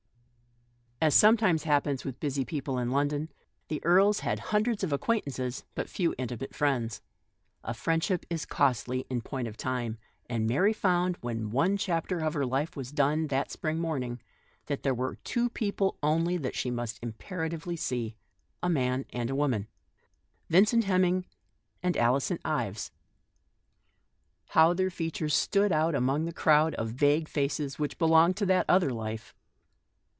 As sometimes happens with busy people in London, the Erles had hundreds of acquaintances and but few intimate friends. A friendship is costly, in point of time, and Mary found, when one chapter of her life was done that spring morning, that there were two people only that she must impera tively see. A man and a woman — Vincent Hemming and Alison Ives. How their fea tures stood out among the crowd of vague faces, which belonged to that other life.